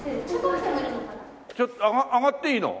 ちょっと上がっていいの？